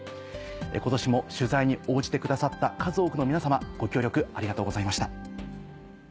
今年も取材に応じてくださった数多くの皆さまご協力ありがとうございました。